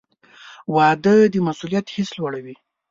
• واده د مسؤلیت حس لوړوي.